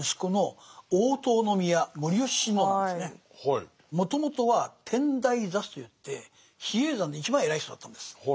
それがもともとは天台座主といって比叡山で一番偉い人だったんです。